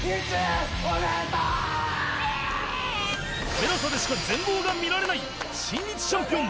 ＴＥＬＡＳＡ でしか全貌が見られない『新日ちゃんぴおん。』